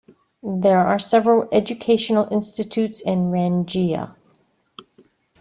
There are several educational institutes in Rangiya.